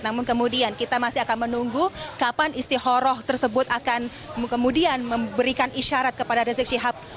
namun kemudian kita masih akan menunggu kapan istihoroh tersebut akan kemudian memberikan isyarat kepada rizik syihab